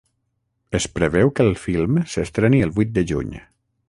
Es preveu que el film s’estreni el vuit de juny.